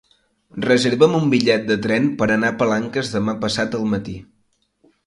Reserva'm un bitllet de tren per anar a Palanques demà passat al matí.